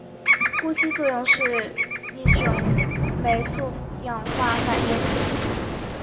呼吸作用是一种酶促氧化反应。